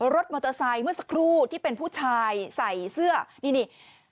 รถมอเตอร์ไซค์เมื่อสักครู่ที่เป็นผู้ชายใส่เสื้อนี่นี่